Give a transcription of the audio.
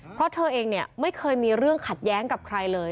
เพราะเธอเองเนี่ยไม่เคยมีเรื่องขัดแย้งกับใครเลย